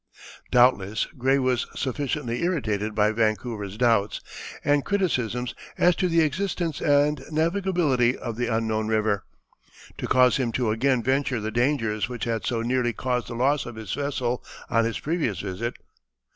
Doubtless Gray was sufficiently irritated by Vancouver's doubts and criticisms as to the existence and navigability of the unknown river, to cause him to again venture the dangers which had so nearly caused the loss of his vessel on his previous visit.